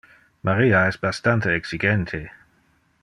Maria es bastante exigente.